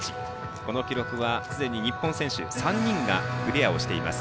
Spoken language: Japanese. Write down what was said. この記録はすでに日本選手３人がクリアしています。